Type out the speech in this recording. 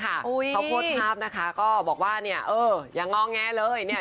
เขาโพสต์ภาพนะคะก็บอกว่าเนี่ยเออยังงอแงเลยเนี่ย